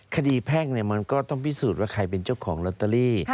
แพ่งมันก็ต้องพิสูจน์ว่าใครเป็นเจ้าของลอตเตอรี่